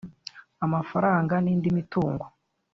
Amafaranga n’indi mitungo